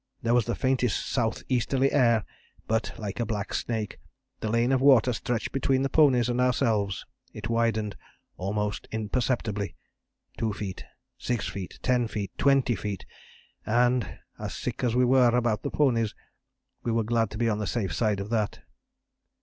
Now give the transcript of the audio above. There was the faintest south easterly air, but, like a black snake, the lane of water stretched between the ponies and ourselves. It widened almost imperceptibly, 2 feet, 6 feet, 10 feet, 20 feet, and, sick as we were about the ponies, we were glad to be on the safe side of that.